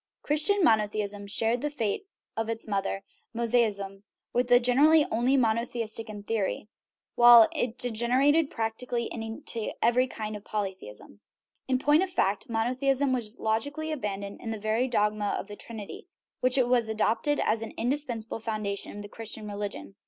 Christian monotheism shared the fate of its moth er, Mosaism; it was generally only monotheistic in theory, while it degenerated practically into every kind of polytheism. In point of fact, monotheism was logically abandoned in the very dogma of the Trinity, which was adopted as an indispensable foundation of the Christian religion.